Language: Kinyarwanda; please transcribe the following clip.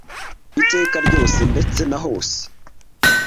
Iteka ryose ndetse na hose